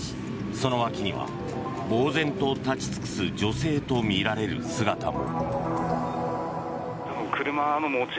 その脇にはぼうぜんと立ち尽くす女性とみられる姿も。